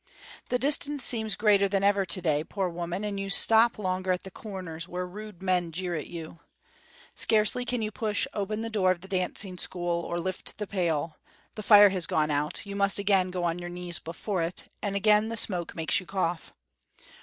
The distance seems greater than ever to day, poor woman, and you stop longer at the corners, where rude men jeer at you. Scarcely can you push open the door of the dancing school or lift the pail; the fire has gone out, you must again go on your knees before it, and again the smoke makes you cough.